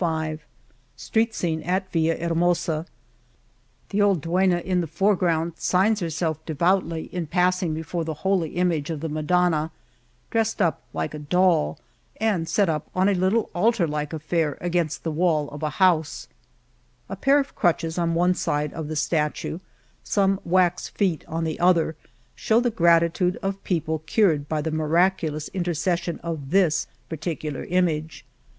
104 Street scene at Villahermosa : The old duenna in the foreground signs herself devoutly in passing before the holy image of the Madonna y dressed up like a dolly and set up on a little altar like affair against the wall of a house, A pair of crutches on one side of the statue y some wax feet on the other y show the gratitude of people cured by the miraculous inter' cession of this particular image.